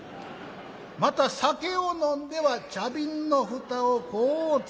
また酒を飲んでは茶瓶の蓋をこうつ。